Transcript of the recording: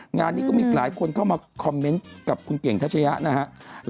งานนี้ก็มีหลายคนเข้ามาคอมเมนต์กับคุณเก่งทัชยะนะครับ